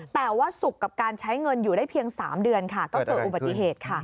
แต่ว่าสุขกับการใช้เงินอยู่ได้เพียง๓เดือนค่ะก็เกิดอุบัติเหตุค่ะ